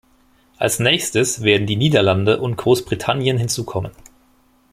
Als Nächstes werden die Niederlande und Großbritannien hinzukommen.